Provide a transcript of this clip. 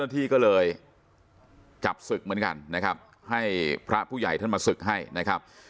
ที่ก็เลยจับศึกเหมือนกันนะครับให้พระผู้ใหญ่ท่านมาศึกให้นะครับ